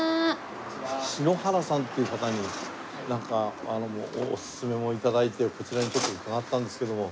篠原さんっていう方にお薦めも頂いてこちらにちょっと伺ったんですけども。